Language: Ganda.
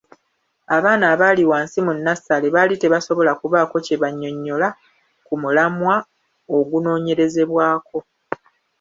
Abaana abaali wansi mu nnassale baali tebasobola kubaako kye bannyonnyola ku mulamwa ogunoonyerezebwako.